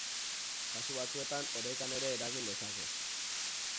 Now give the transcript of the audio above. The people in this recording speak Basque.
Kasu batzuetan orekan ere eragin dezake.